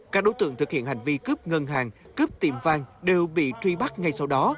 các đối tượng thực hiện hành vi cướp ngân hàng cướp tiệm vang đều bị truy bắt ngay sau đó